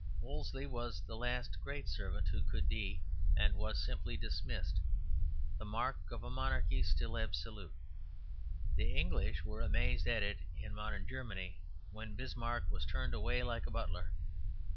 Wolsey was the last great servant who could be, and was, simply dismissed; the mark of a monarchy still absolute; the English were amazed at it in modern Germany, when Bismarck was turned away like a butler.